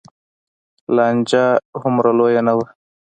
لانجه هومره لویه نه وه.